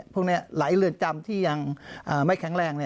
พวกนี้หลายเรือนจำที่ยังไม่แข็งแรง